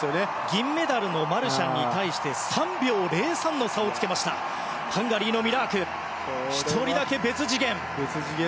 銀メダルのマルシャンに対して３秒０３の差をつけましたハンガリーのミラーク１人だけ別次元。